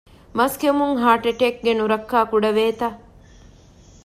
މަސް ކެއުމުން ހާޓް އެޓޭކްގެ ނުރައްކާ ކުޑަވޭތަ؟